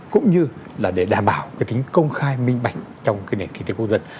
cũng như là để đảm bảo cái tính công khai minh bạch trong cái nền kinh tế quốc dân